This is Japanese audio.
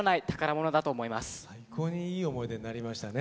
最高にいい思い出になりましたね。